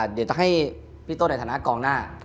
เดี๋ยวจะให้พี่โต้ในฐานะกองหน้า